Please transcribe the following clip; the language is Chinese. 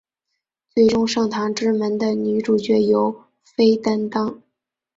最终圣堂之门的女主角由飞担任。